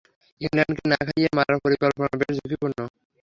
ইংল্যান্ডকে না খাইয়ে মারার পরিকল্পনা বেশ ঝুঁকিপূর্ণ।